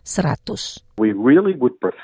kita benar benar lebih suka